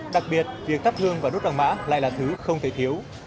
đặc biệt việc tắt hương và đốt đằng mã lại là thứ không thể thiếu